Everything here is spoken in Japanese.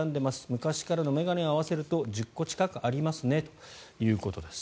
昔からの眼鏡を合わせると１０個近くありますということです。